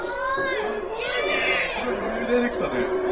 すごいよゆうでできたね。